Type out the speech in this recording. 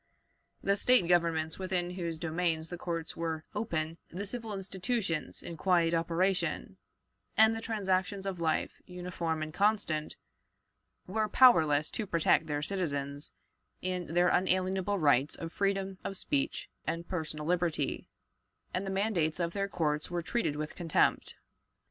The State governments within whose domains the courts were open, the civil institutions in quiet operation, and the transactions of peaceful life uniform and constant, were powerless to protect their citizens in their unalienable rights of freedom of speech and personal liberty, and the mandates of their courts were treated with contempt.